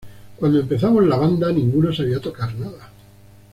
Cuando empezamos la banda ninguno sabía tocar nada.